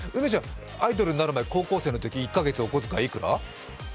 アイドルになる前、高校生のとき、１か月お小遣いいくら？